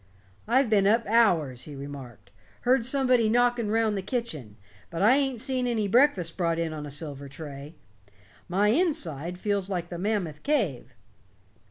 "I've been up hours," he remarked. "Heard somebody knocking round the kitchen, but I ain't seen any breakfast brought in on a silver tray. My inside feels like the Mammoth Cave."